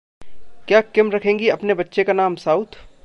क्या किम रखेंगी अपने बच्चे का नाम साउथ?